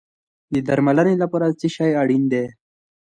د درملنې لپاره څه شی اړین دی؟